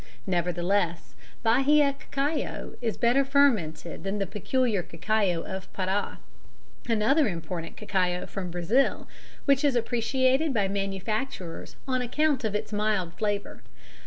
Nevertheless, Bahia cacao is better fermented than the peculiar cacao of Pará, another important cacao from Brazil, which is appreciated by manufacturers on account of its mild flavour.